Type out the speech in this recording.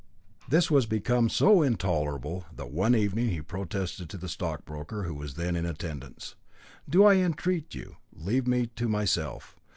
This was become so intolerable, that one evening he protested to the stockbroker, who was then in attendance. "Do, I entreat you, leave me to myself.